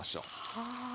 はあ。